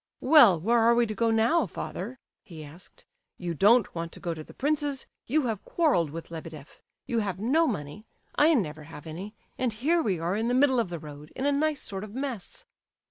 "Well, where are we to go to now, father?" he asked. "You don't want to go to the prince's; you have quarrelled with Lebedeff; you have no money; I never have any; and here we are in the middle of the road, in a nice sort of mess."